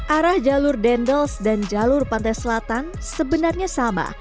arah jalur dendels dan jalur pantai selatan sebenarnya sama